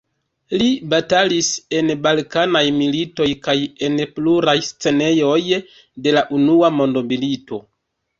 Li batalis en la Balkanaj militoj kaj en pluraj scenejoj de la Unua Mondmilito.